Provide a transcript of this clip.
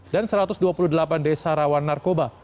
dan satu ratus dua puluh delapan desa rawan narkoba